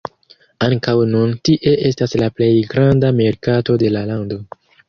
Ankaŭ nun tie estas la plej granda merkato de la lando.